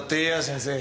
先生。